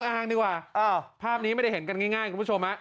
อ้างดีกว่าภาพนี้ไม่ได้เห็นกันง่ายคุณผู้ชม